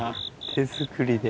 手作りで。